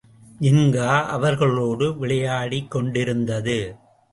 ஜின்கா அவர்களோடு விளையாடிக் கொண்டிருந்தது.